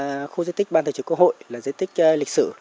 xác định rõ khu di tích ban thường trực quốc hội là di tích lịch sử